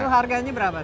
itu harganya berapa